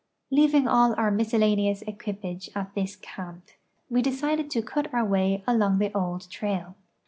Leaving all our miscellaneous equipage at this camp, we decided to cut our way along the old trail.